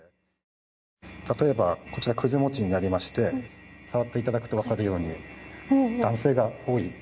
例えばこちら葛餅になりまして触っていただくとわかるように弾性が多い。